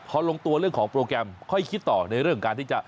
พอลงตัวเรื่องของโปรแกรมค่อยคิดต่อในเรื่องการที่จะ